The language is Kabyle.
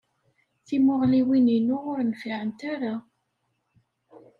Timuɣliwin-inu ur nfiɛent ara.